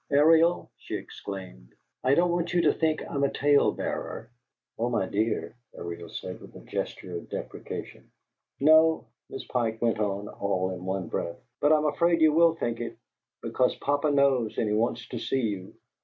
"Ariel," she exclaimed, "I don't want you to think I'm a tale bearer " "Oh, my dear!" Ariel said, with a gesture of deprecation. "No," Miss Pike went on, all in one breath, "but I'm afraid you will think it, because papa knows and he wants to see you."